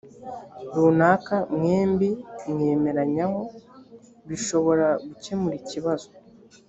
runaka mwembi mwemeranyaho bishobora gukemura ikibazo